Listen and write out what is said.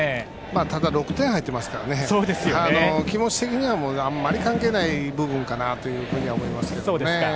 ただ６点入っていますから気持ち的にはあんまり関係ない部分かなと思いますけどね。